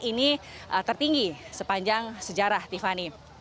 ini tertinggi sepanjang sejarah tiffany